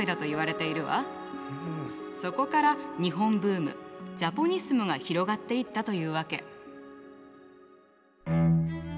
そこから日本ブームジャポニスムが広がっていったというわけ。